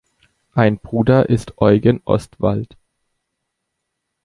Ein Bruder ist Eugen Ostwald.